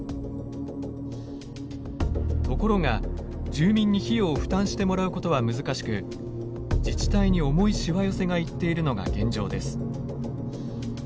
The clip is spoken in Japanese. ところが住民に費用を負担してもらうことは難しく自治体に重いしわ寄せがいっているのが現状です。